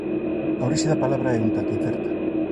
A orixe da palabra é un tanto incerta.